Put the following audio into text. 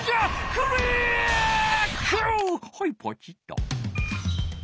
はいポチッと。